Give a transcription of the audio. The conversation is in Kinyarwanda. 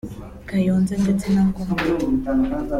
Kayonza ndetse na Ngoma